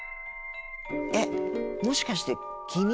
えっもしかして君？